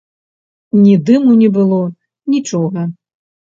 Ні дыму не было, нічога.